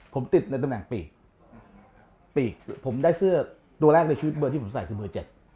ผมติดในตำแหน่งปีกปีกผมได้เสื้อตัวแรกในชีวิตเบอร์ที่ผมใส่คือเบอร์เจ็ด